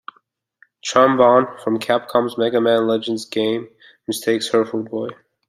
Tron Bonne, from Capcom's "Mega Man Legends" game, mistakes her for a boy.